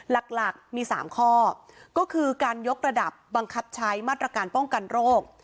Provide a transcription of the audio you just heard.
หลักมี๓ข้อก็คือการยกระดับบังคับใช้มาตรการป้องกันโรค